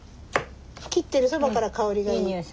切ってるそばから香りがいい。